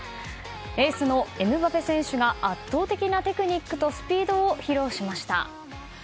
エースのエムバペ選手が圧倒的なテクニックとスピードを披露しました。